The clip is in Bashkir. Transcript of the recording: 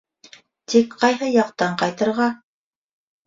Тик ҡайһы яҡтан ҡайтырға?